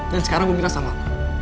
dan sekarang gue minta sama lo